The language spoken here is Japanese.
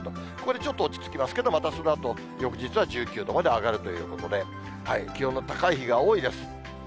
ここでちょっと落ち着きますけど、またそのあと、翌日は１９度まで上がるということで、気温の高い日が多いです。